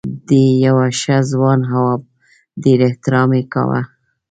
دی یو ښه ځوان و او ډېر احترام یې کاوه.